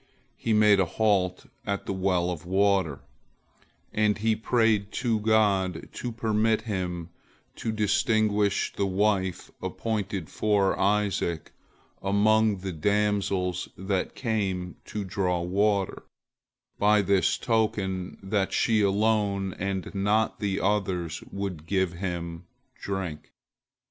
He made a halt at the well of water, and he prayed to God to permit him to distinguish the wife appointed for Isaac among the damsels that came to draw water, by this token, that she alone, and not the others, would give him drink.